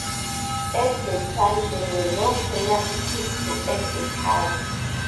At the time there were no penalty kicks to end a tie.